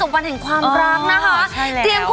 แอร์โหลดแล้วคุณล่ะโหลดแล้ว